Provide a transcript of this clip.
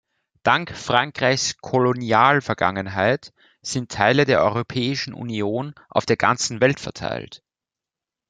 Dank Frankreichs Kolonialvergangenheit sind Teile der Europäischen Union auf der ganzen Welt verteilt.